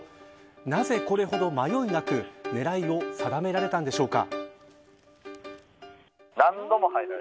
なぜこれほど迷いなく狙いを定められたのでしょうか。